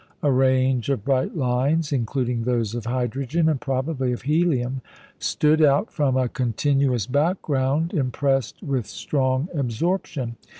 A range of bright lines, including those of hydrogen, and probably of helium, stood out from a continuous background impressed with strong absorption.